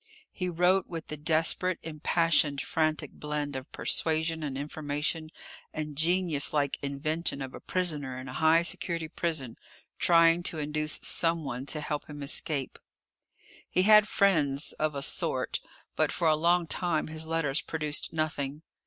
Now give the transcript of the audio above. He wrote with the desperate, impassioned, frantic blend of persuasion and information and genius like invention of a prisoner in a high security prison, trying to induce someone to help him escape. He had friends, of a sort, but for a long time his letters produced nothing.